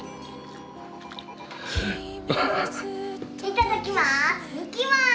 いただきます。